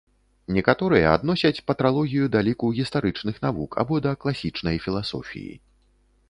Некаторыя адносяць патралогію да ліку гістарычных навук або да класічнай філасофіі.